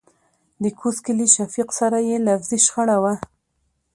دکوز کلي شفيق سره يې لفظي شخړه وه .